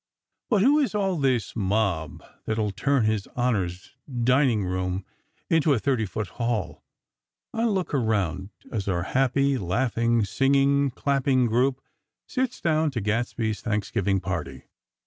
But who is all this mob that will turn His Honor's dining room into a thirty foot hall? I'll look around, as our happy, laughing, singing, clapping group sits down to Gadsby's Thanksgiving party.